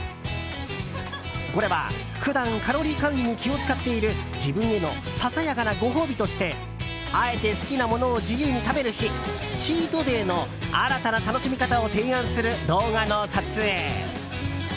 これは普段、カロリー管理に気を使っている自分へのささやかなご褒美としてあえて好きなものを自由に食べる日チートデイの新たな楽しみ方を提案する動画の撮影。